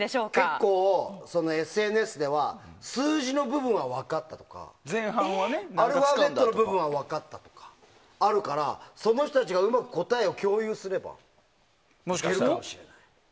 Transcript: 結構、ＳＮＳでは数字の部分は分かったとかアルファベットの部分は分かったとかがあるからその人たちがうまく答えを共有すればいけるかもしれない。